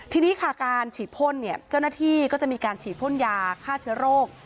ทีนี้ค่ะการฉีดพ่นเนี่ยเจ้าหน้าที่ก็จะมีการฉีดพ่นยาฆ่าเชื้อโรค